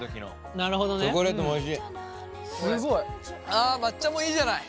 あ抹茶もいいじゃない。